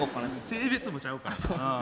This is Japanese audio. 性別もちゃうからな。